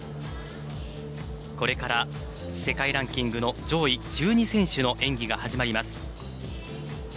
これから、世界ランキングの上位１２選手の演技が始まります。